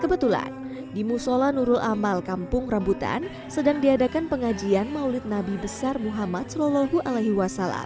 kebetulan di musola nurul amal kampung rambutan sedang diadakan pengajian maulid nabi besar muhammad saw